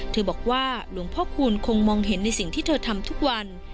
บอกว่าหลวงพ่อคูณคงมองเห็นในสิ่งที่เธอทำทุกวัน